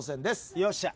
よっしゃ。